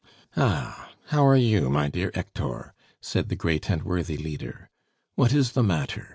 "Ah! How are you, my dear Hector?" said the great and worthy leader. "What is the matter?